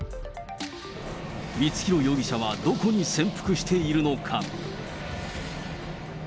光弘容疑者はどこに潜伏しているのか。